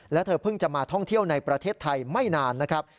และเธอเพิ่งจะมาท่องเที่ยวในประเทศไทยไม่นานนะครับ